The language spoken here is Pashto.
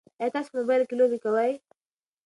ایا تاسي په موبایل کې لوبې کوئ؟